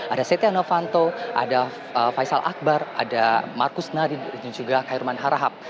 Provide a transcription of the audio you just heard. ada seteh novanto ada faisal akbar ada markus nari dan juga khairman harahab